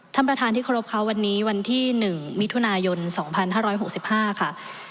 ท่านประธานที่เคารพค่ะวันนี้วันที่๑มิถุนายน๒๕๖๕ค่ะ